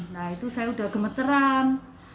nah itu saya udah gemeteran